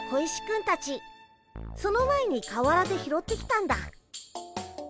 その前に河原で拾ってきたんだ。